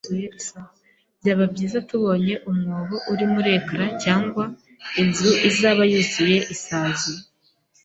Byaba byiza tubonye umwobo uri muri ecran cyangwa inzu izaba yuzuye isazi.